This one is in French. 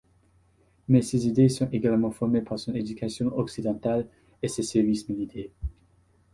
Mais ses idées sont également formées par son éducation occidentale et ses services militaires.